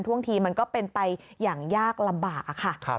ทวงทีมันก็เป็นไปอย่างยากลำบากค่ะ